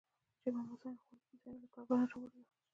چې د امام حسین خور بي بي زینب له کربلا نه راوړې وه.